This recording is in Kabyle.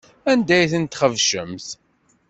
Anda ay tent-txebcemt?